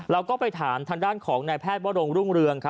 เราก็ไปถามทางด้านของนายแพทย์วรงรุ่งเรือง